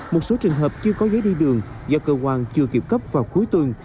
một số trường hợp chưa có giấy đi đường do cơ quan chưa kịp cấp vào cuối tuần